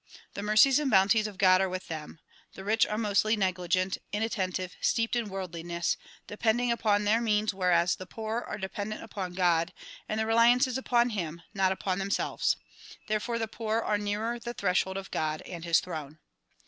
The mercies and bounties of God are with them. The rich are mostly negligent, inattentive, steeped in worldliness, de pending upon their means whereas the poor are dependent upon God and their reliance is upon him, not upon themselves. There fore the poor are nearer the threshold of God and his throne.